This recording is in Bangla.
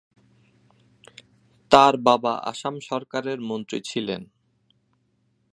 তার বাবা আসাম সরকারের মন্ত্রী ছিলেন।